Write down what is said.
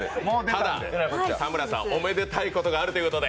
ただ田村さん、おめでたいことがあるということで！